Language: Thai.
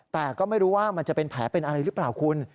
แต่ก็ไม่รู้ว่ามันจะเป็นแผลเป็นอะไรหรือเปล่าคุณ